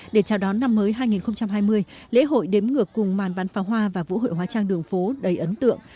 để chào đón năm mới hai nghìn hai mươi lễ hội đếm ngược cùng màn bắn pháo hoa và vũ hội hóa trang đường phố đầy ấn tượng